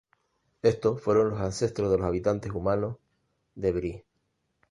Estos fueron los ancestros de los habitantes humanos de Bree.